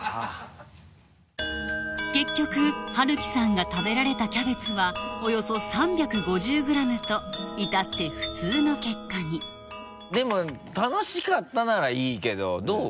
結局ハルキさんが食べられたキャベツはおよそ３５０ｇといたって普通の結果にでも楽しかったならいいけどどう？